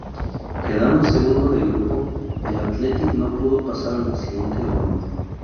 Quedando segundo de grupo, el Athletic no pudo pasar a la siguiente ronda.